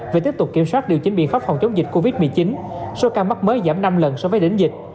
về tiếp tục kiểm soát điều chính biện pháp phòng chống dịch covid một mươi chín số ca mắc mới giảm năm lần so với đỉnh dịch